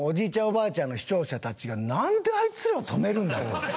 おばあちゃんの視聴者たちがなんであいつらは止めるんだと。